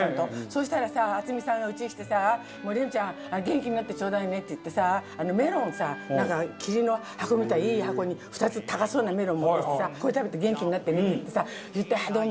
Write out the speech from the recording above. そしたらさ渥美さんがうちに来てさ「レミちゃん元気になってちょうだいね」って言ってさメロンをさなんか桐の箱みたいないい箱に２つ高そうなメロンを持ってきてさ「これ食べて元気になってね」って言ってさ「どうもありがとう」。